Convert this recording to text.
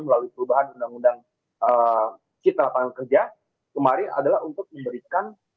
melalui perubahan undang undang cipta lapangan kerja kemarin adalah untuk memberikan